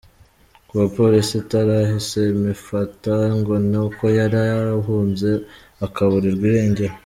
Kuba polisi itarahise imufata ngo ni uko yari yarahunze, akaburirwa irengero.